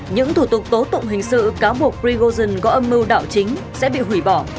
những thủ tục tố tụng hình sự cáo buộc prigozhin có âm mưu đảo chính sẽ bị hủy bỏ